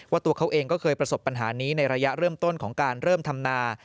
ตัวเขาเองก็เคยประสบปัญหานี้ในระยะเริ่มต้นของการเริ่มทำนา